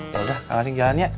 ya udah kak ngasih jalannya